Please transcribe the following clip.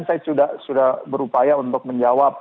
nah tadi kan saya sudah berupaya untuk menyebutkan